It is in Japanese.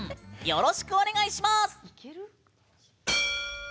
よろしくお願いします。